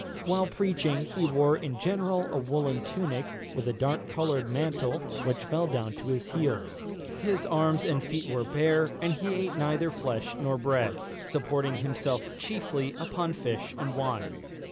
While preaching, he wore in general a woollen tunic, with a dark coloured mantle, which fell down to his heels. His arms and feet were bare; and he ate neither flesh nor bread, supporting himself chiefly upon fish and wine.